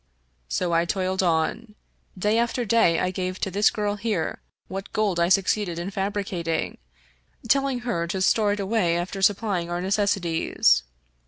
" So I toiled on. Day after day I gave to this girl here what gold I succeeded in fabricating, telling her to store it away after supplying our necessities.